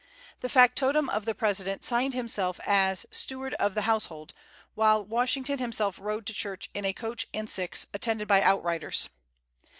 The factotum of the President signed himself as "Steward of the Household," while Washington himself rode to church in a coach and six, attended by outriders.